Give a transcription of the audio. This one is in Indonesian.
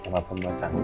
papa buat tangga